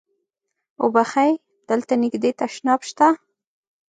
اوبښئ! دلته نږدې تشناب شته؟